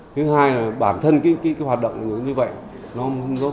thứ hai là bản thân cái hoạt động